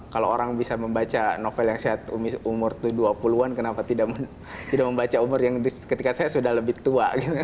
kalau orang bisa membaca novel yang saya umur itu dua puluh an kenapa tidak membaca umur yang ketika saya sudah lebih tua